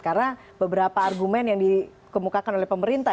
karena beberapa argumen yang dikemukakan oleh pemerintah